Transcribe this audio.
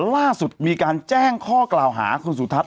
ล่าสุดมีการแจ้งข้อกล่าวหาคุณสุทัศ